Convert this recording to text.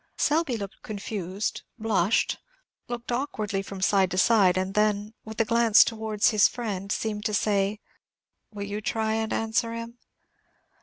Selby looked confused, blushed, looked awkwardly from side to side, and then, with a glance towards his friend, seemed to say, "Will you try and answer him?"